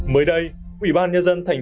mới đây ủy ban nhân dân tp hà nội